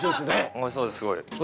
おいしそうですすごい。